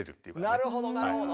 なるほどなるほど。